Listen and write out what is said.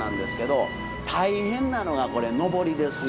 大変なのがこれ上りですよ。